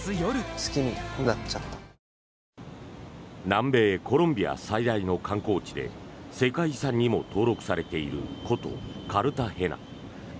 南米コロンビア最大の観光地で世界遺産にも登録されている古都カルタヘナ。